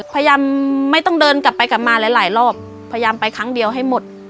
พยายามไม่ต้องเดินกลับไปกลับมาหลายรอบพยายามไปครั้งเดียวให้หมด